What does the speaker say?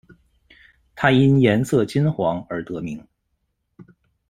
它因颜色金黄而得名。